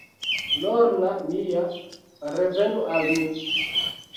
Lorna mia, revenu al mi!